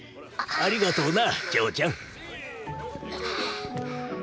ありがとうな嬢ちゃん。